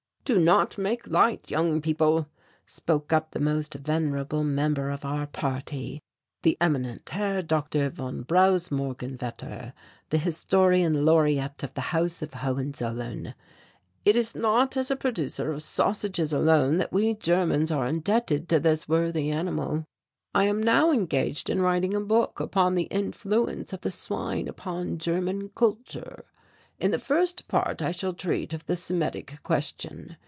"Do not make light, young people," spoke up the most venerable member of our party, the eminent Herr Dr. von Brausmorganwetter, the historian laureate of the House of Hohenzollern. "It is not as a producer of sausages alone that we Germans are indebted to this worthy animal. I am now engaged in writing a book upon the influence of the swine upon German Kultur. In the first part I shall treat of the Semitic question.